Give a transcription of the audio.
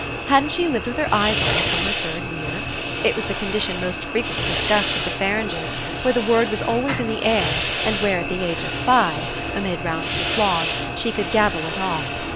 Hadn't she lived with her eyes on it from her third year? It was the condition most frequently discussed at the Faranges', where the word was always in the air and where at the age of five, amid rounds of applause, she could gabble it off.